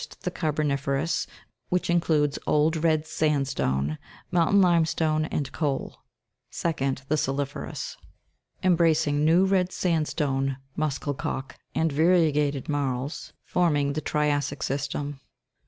The carboniferous, which includes old red sandstone, mountain lime stone, and coal : 2d. The sali'ferous, embracing new red sandstone muschelkalk, and variegated marls, forming the tria'ssic system : 2.